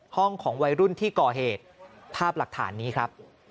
ของวัยรุ่นที่ก่อเหตุภาพหลักฐานนี้ครับ